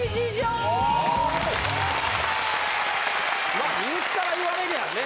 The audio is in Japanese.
まあ身内から言われりゃね。